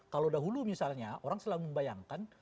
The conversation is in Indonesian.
kalau dahulu misalnya orang selalu membayangkan